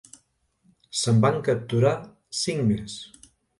Se'n van capturar cinc més.